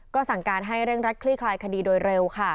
ก็สั่งการให้เร่งรัดคลี่คลายคดีโดยเร็ว